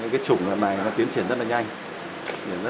cái chủng này nó tiến triển rất là nhanh